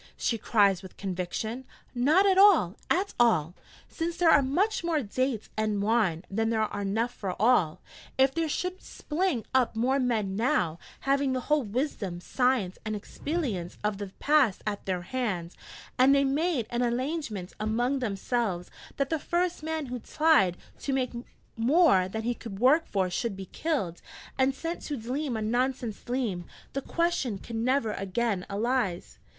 she cries with conviction: 'not at all, at all: since there are much more dates and wine than are enough for all. If there should spling up more men now, having the whole wisdom, science, and expelience of the past at their hand, and they made an allangement among themselves that the first man who tlied to take more than he could work for should be killed, and sent to dleam a nonsense dleam, the question could never again alise!'